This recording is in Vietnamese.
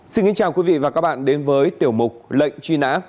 xin kính chào quý vị và các bạn đến với tiểu mục lệnh truy nã